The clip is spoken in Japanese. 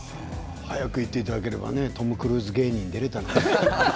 早く言っていただければトム・クルーズ芸人に出られたのに。